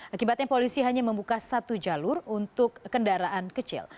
akibatnya polisi hanya membuka satu jalur untuk kendaraan kecil